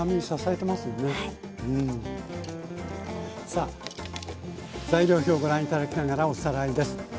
さあ材料表ご覧頂きながらおさらいです。